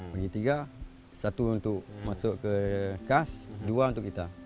bagi tiga satu untuk masuk ke kas dua untuk kita